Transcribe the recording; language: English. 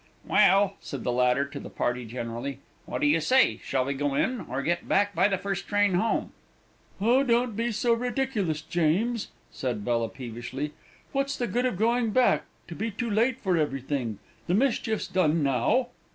"Well," said the latter to the party generally, "what do you say shall we go in, or get back by the first train home?" "Don't be so ridiculous, James!" said Bella, peevishly. "What's the good of going back, to be too late for everything. The mischief's done now."